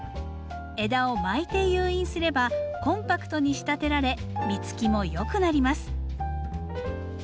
枝を巻いて誘引すればコンパクトに仕立てられ実つきも良くなります。